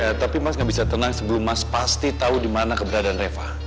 iya tapi mas gak bisa tenang sebelum mas pasti tau dimana keberadaan reva